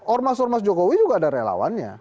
ormas ormas jokowi juga ada relawannya